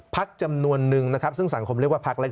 พักจำนวนนึงซึ่งสังคมเรียกว่าพักเล็ก